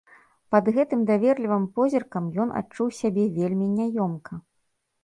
Пад гэтым даверлівым позіркам ён адчуў сябе вельмі няёмка.